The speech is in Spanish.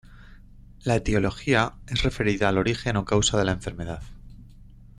La etiología es referida al origen o causa de la enfermedad.